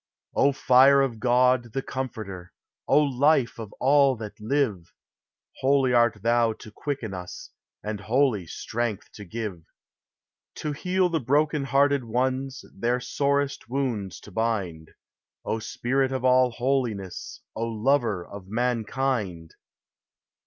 O fire of God, the Comforter, O life of all that live, Holy art thou to quicken us, and holy, strength to give: To heal the broken hearted ones, their sorest wounds to bind, O Spirit of all holiness, O Lover of mankind!